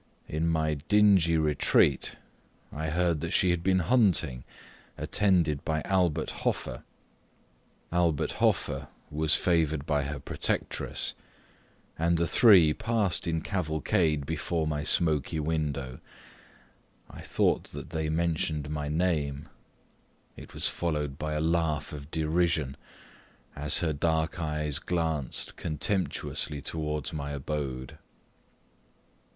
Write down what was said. In my dingy retreat I heard that she had been hunting, attended by Albert Hoffer. Albert Hoffer was favoured by her protectress, and the three passed in cavalcade before my smoky window. Methought that they mentioned my name it was followed by a laugh of derision, as her dark eyes glanced contemptuously towards my abode.